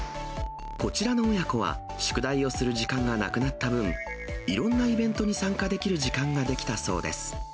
こちらの親子は、宿題をする時間がなくなった分、いろんなイベントに参加できる時間ができたそうです。